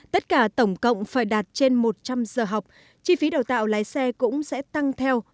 tất cả tổng cộng phải đạt trên một trăm linh giờ học chi phí đào tạo lái xe cũng sẽ tăng theo